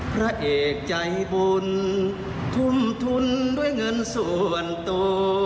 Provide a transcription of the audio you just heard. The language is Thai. พระเอกใจบุญทุ่มทุนด้วยเงินส่วนตัว